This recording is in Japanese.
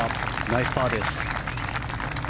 ナイスパーです。